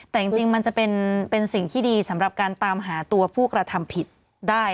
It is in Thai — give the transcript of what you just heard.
แต่จริงมันจะเป็นสิ่งที่ดีสำหรับการตามหาตัวผู้กระทำผิดได้